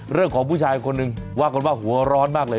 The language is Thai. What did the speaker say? ผู้ชายคนหนึ่งว่ากันว่าหัวร้อนมากเลย